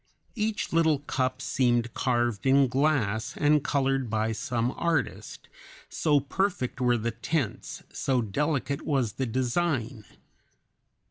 Each little cup seemed carved in glass and colored by some artist, so perfect were the tints, so delicate was the design.